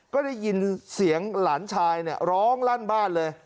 ก็ได้ยินเสียงหลานชายร้องลั่นบ้านเลย